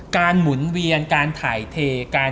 การหมุนเวียนการถ่ายเท